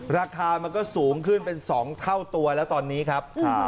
ราคามันก็สูงขึ้นเป็น๒เท่าตัวแล้วตอนนี้ครับ